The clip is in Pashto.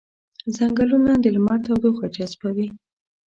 ځنګلونه د لمر تودوخه جذبوي